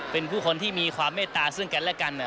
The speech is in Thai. เป็นผู้คนที่มีความเมตตาซึ่งกันและกัน